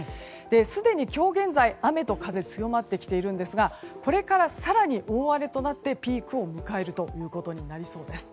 すでに今日現在、雨と風が強まってきているんですがこれから更に大荒れとなってピークを迎えることになりそうです。